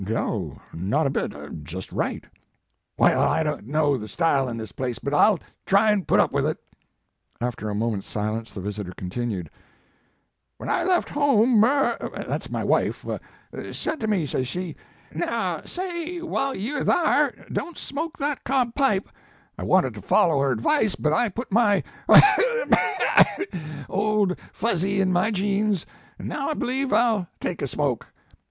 "No, not a bit, just right." "Well, I don t know the style in this place, but I ll try an put up with it. After a moment s silence the visitor continued: "When I left home, Mur that s my wife said to me, saj S she, Now, say, while you are thar, don t smoke that cob His Life and Work. 85 pipe/ I wanted to follow her advice, but I put my wah, hoo, wah, hoc, old fuzee in my jeans, an now I bl cve I ll take a smoke."